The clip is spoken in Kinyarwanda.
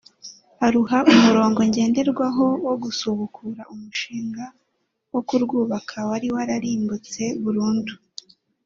aruha umurongo ngenderwaho wo gusubukura umushinga wo kurwubaka wari wararimbutse burundu